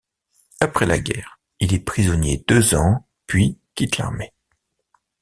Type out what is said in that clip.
Après la guerre, il est prisonnier deux ans puis quitte l'armée.